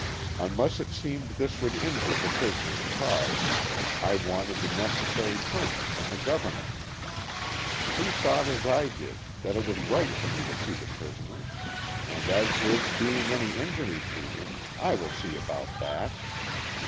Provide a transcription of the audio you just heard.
Un less it seemed this would injure the prisoner's cause I wanted the necessary permit from the Governor. He thought as I did, that it was right for me to see the prisoner ;" and as for its being any injury to him I will see about that."